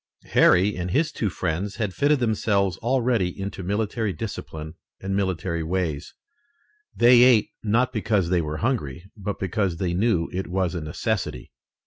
Harry and his two friends had fitted themselves already into military discipline and military ways. They ate, not because they were hungry, but because they knew it was a necessity.